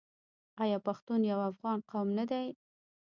آیا پښتون یو افغان قوم نه دی؟